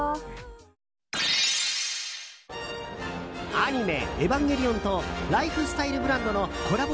アニメ「エヴァンゲリオン」とライフスタイルブランドのコラボ